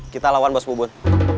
kita lawan bos bubun